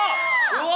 うわ！